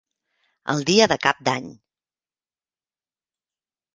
El dia de Cap d'any.